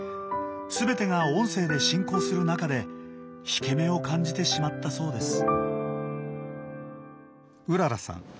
全てが音声で進行する中で引け目を感じてしまったそうです。